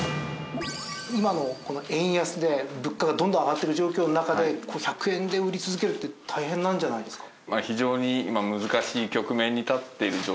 今のこの円安で物価がどんどん上がってる状況の中で１００円で売り続けるって大変なんじゃないですか？